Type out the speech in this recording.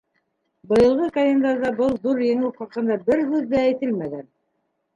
Быйылғы календарҙа был ҙур еңеү хаҡында бер һүҙ ҙә әйтелмәгән.